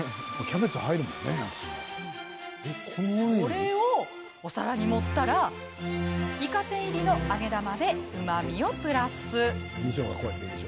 それをお皿に盛ったらイカ天入りの揚げ玉でうまみをプラス。